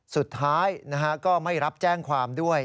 สุดท้ายก็ไม่รับแจ้งความด้วย